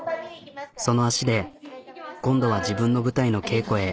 その足で今度は自分の舞台の稽古へ。